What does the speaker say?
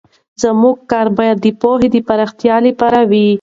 زموږ کار باید د پوهې د پراختیا لپاره وي.